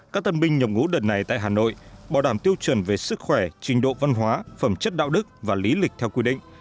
các tân binh nhập ngũ đợt này tại hà nội bảo đảm tiêu chuẩn về sức khỏe trình độ văn hóa phẩm chất đạo đức và lý lịch theo quy định